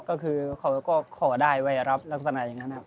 ก็คือเขาก็ขอได้ว่ารับลักษณะอย่างนั้นครับ